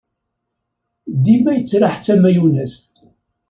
Dima yettraḥ d tamayunazt.